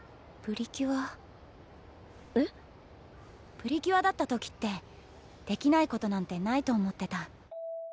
プリキュアだった時ってできないことなんてないと思ってた。